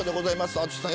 淳さん